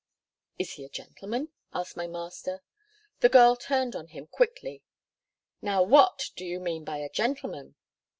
"Is he a gentleman?" asked my master. The girl turned on him quickly. "Now what do you mean by a gentleman?"